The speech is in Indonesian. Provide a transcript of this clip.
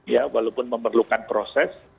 ya walaupun memerlukan proses